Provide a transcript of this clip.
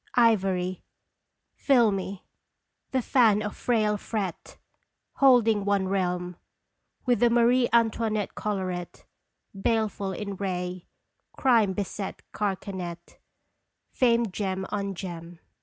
Ivory, filmy, the fan of frail fret Holding one realm With the Marie Antoinette collaret Baleful in ray, crime beset carcanet Famed gem on gem.